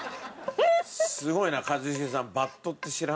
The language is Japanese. すごいな一茂さん。